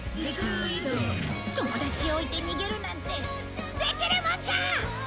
友達を置いて逃げるなんてできるもんか！